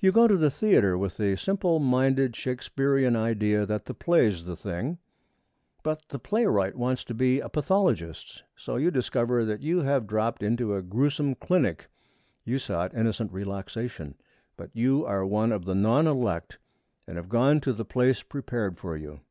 You go to the theatre with the simple minded Shakespearean idea that the play's the thing. But the playwright wants to be a pathologist. So you discover that you have dropped into a grewsome clinic. You sought innocent relaxation, but you are one of the non elect and have gone to the place prepared for you.